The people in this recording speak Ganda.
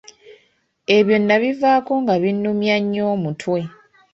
Ebyo nnabivaako nga binnumya nnyo omutwe.